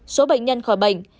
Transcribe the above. một số bệnh nhân khỏi bệnh